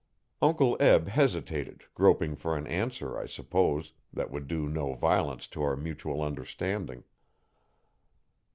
Uncle Eb hesitated, groping for an answer, I suppose, that would do no violence to our mutual understanding.